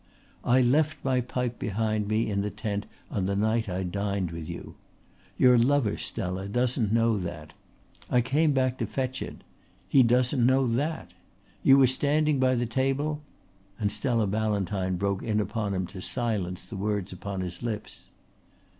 "I left my pipe behind me in the tent on the night I dined with you. Your lover, Stella, doesn't know that. I came back to fetch it. He doesn't know that. You were standing by the table " and Stella Ballantyne broke in upon him to silence the words upon his lips.